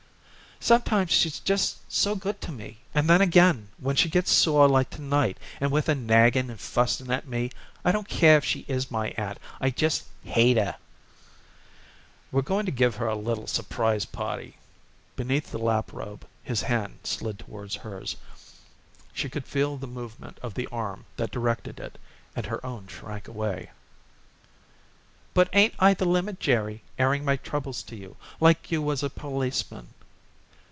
"Sometimes she's just so good to me, and then again, when she gets sore like to night, and with her nagging and fussing at me, I don't care if she is my aunt, I just hate her." "We're going to give her a little surprise party." Beneath the lap robe his hand slid toward hers. She could feel the movement of the arm that directed it and her own shrank away. "But ain't I the limit, Jerry, airing my troubles to you, like you was a policeman."